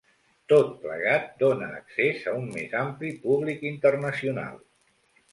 Tot plegat dóna accés a un més ampli públic internacional.